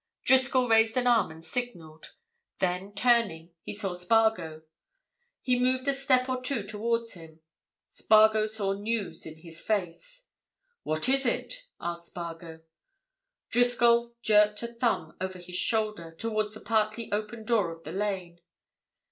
Driscoll raised an arm and signalled; then, turning, he saw Spargo. He moved a step or two towards him. Spargo saw news in his face. "What is it?" asked Spargo. Driscoll jerked a thumb over his shoulder, towards the partly open door of the lane.